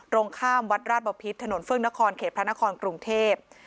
ตรงข้ามวัดราชบพิษถนนเฟื่องนครเขตพระนครกรุงเทพ